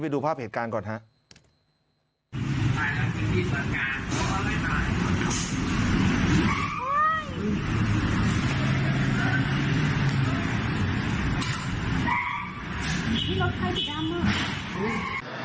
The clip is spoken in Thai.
ดูภาพเหตุการณ์ก่อนครับ